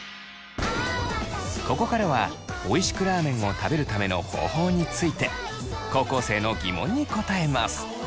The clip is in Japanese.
ここからはおいしくラーメンを食べるための方法について高校生の疑問に答えます。